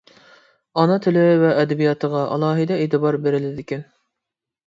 ئانا تىل ۋە ئەدەبىياتىغا ئالاھىدە ئېتىبار بېرىلىدىكەن.